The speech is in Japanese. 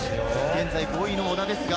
現在５位の織田ですが、